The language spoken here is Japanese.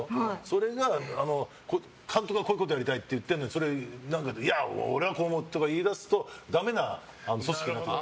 それが、監督がこういうことやりたいって言ってるのに俺はこう思うとか言い出すとダメな組織になっていく。